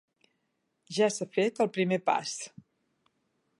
Ja s'ha fet el primer pas.